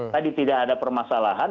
tadi tidak ada permasalahan